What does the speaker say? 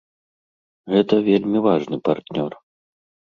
Гэта вельмі важны партнёр.